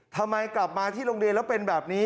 ทำไมกลับมาที่โรงเรียนแล้วเป็นแบบนี้